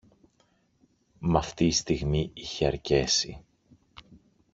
Μ' αυτή η στιγμή είχε αρκέσει.